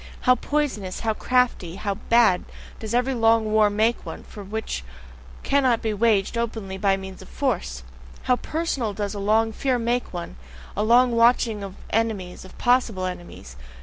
How poisonous, how crafty, how bad, does every long war make one, which cannot be waged openly by means of force! How PERSONAL does a long fear make one, a long watching of enemies, of possible enemies!